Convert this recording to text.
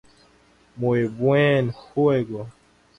Muy buen juego".